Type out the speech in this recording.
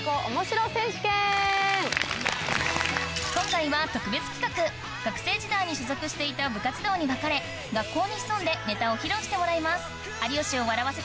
今回は特別企画学生時代に所属していた部活動に分かれ学校に潜んでネタを披露してもらいます